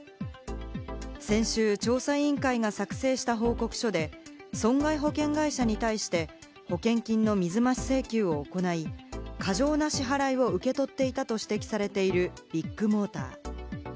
先週、調査委員会が作成した報告書で損害保険会社に対して保険金の水増し請求を行い、過剰な支払いを受け取っていたと指摘されているビッグモーター。